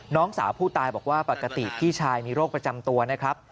น้องสาวผู้ตายบอกว่าปกติพี่ชายมีโรคประจำตัวนะครับ